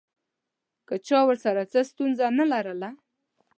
که چا ورسره څه ستونزه نه لرله.